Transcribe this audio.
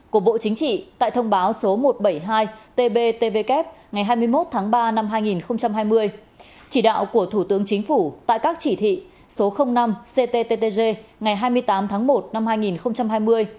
của bộ chính trị tại thông báo số một trăm bảy mươi hai tbtvk ngày hai mươi một tháng ba năm hai nghìn hai mươi chỉ đạo của thủ tướng chính phủ tại các chỉ thị số năm cttg ngày hai mươi tám tháng một năm hai nghìn hai mươi